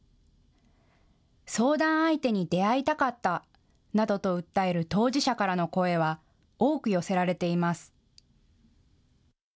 相談相手に出会いたかったなどと訴える当事者からの声は多く寄せられています。